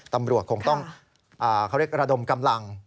ตำรวจคงต้องเขาเรียกระดมกำลัง